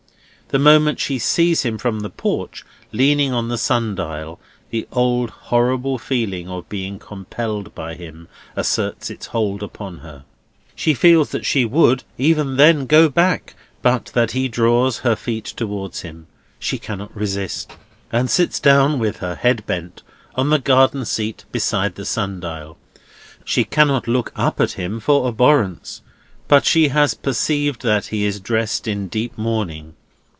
The moment she sees him from the porch, leaning on the sun dial, the old horrible feeling of being compelled by him, asserts its hold upon her. She feels that she would even then go back, but that he draws her feet towards him. She cannot resist, and sits down, with her head bent, on the garden seat beside the sun dial. She cannot look up at him for abhorrence, but she has perceived that he is dressed in deep mourning.